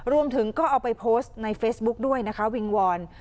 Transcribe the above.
รวมถึงก็เอาไปโพสต์ในเฟซบุ๊กด้วยนะคะวิงวอน